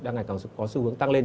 đang ngày càng có xu hướng tăng lên